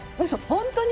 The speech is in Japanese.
本当に。